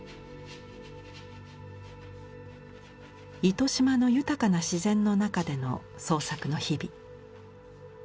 糸島の豊かな自然の中での創作の日々。